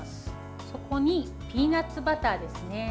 そこにピーナツバターですね。